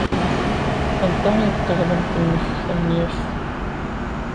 Anta ay d taɣlamt-nnek tamenyaft?